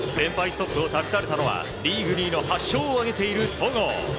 ストップを託されたのはリーグ２位の８勝を挙げている戸郷。